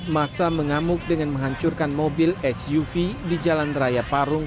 masa mengamuk dengan menghancurkan mobil suv di jalan raya parung